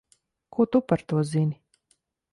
Ko tu par to zini?